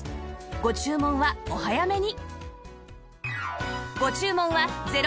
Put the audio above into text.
ご注文はお早めに！